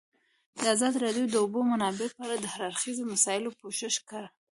ازادي راډیو د د اوبو منابع په اړه د هر اړخیزو مسایلو پوښښ کړی.